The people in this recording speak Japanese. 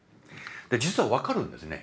実は分かるんですね。